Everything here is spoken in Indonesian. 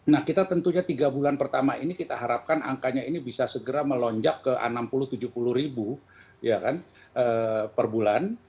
nah kita tentunya tiga bulan pertama ini kita harapkan angkanya ini bisa segera melonjak ke enam puluh tujuh puluh ribu per bulan